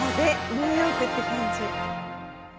ニューヨークって感じ。